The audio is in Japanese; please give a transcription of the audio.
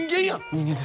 人間です。